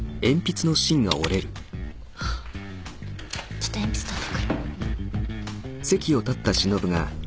ちょっと鉛筆取ってくる。